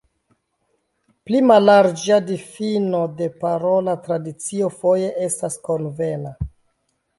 Pli mallarĝa difino de parola tradicio foje estas konvena.